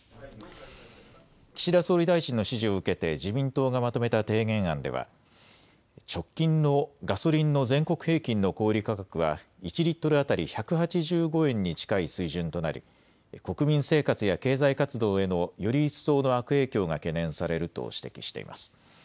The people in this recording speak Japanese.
岸田総理大臣の指示を受けて自民党がまとめた提言案では直近のガソリンの全国平均の小売り価格は１リットル当たり１８５円に近い水準となり、国民生活や経済活動へのより一層の悪影響が懸念されると指摘しています。